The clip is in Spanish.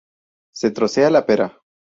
Se trocea la pera.